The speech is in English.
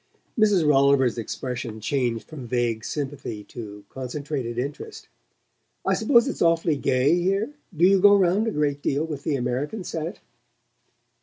Mrs. Rolliver's expression changed from vague sympathy to concentrated interest. "I suppose it's awfully gay here? Do you go round a great deal with the American set?"